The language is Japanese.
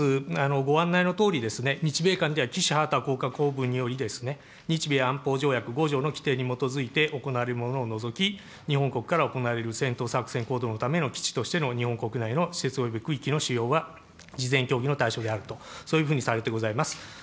ご案内のとおりですね、日米間にはきし・はたこうしこうぶんにより日米安保条約５条の規定に基づいて行われるものを除き、日本国から行われる戦闘行動のための基地としての日本国内の施設および区域の使用は事前協議の対象であると、そういうふうにされてございます。